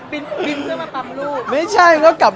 บินเพื่อมาปั๊มรูป